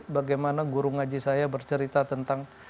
bagaimana guru ngaji saya bercerita tentang